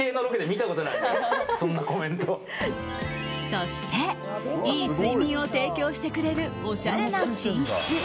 そして、いい睡眠を提供してくれるおしゃれな寝室。